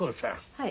はい。